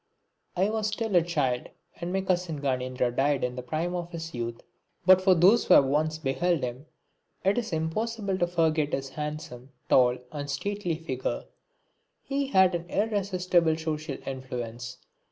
I was still a child when my cousin Ganendra died in the prime of his youth, but for those who have once beheld him it is impossible to forget his handsome, tall and stately figure. He had an irresistible social influence.